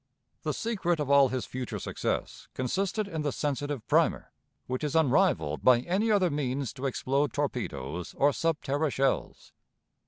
The secret of all his future success consisted in the sensitive primer, which is unrivaled by any other means to explode torpedoes or sub terra shells.